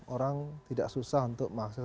orang tidak susah untuk mengakses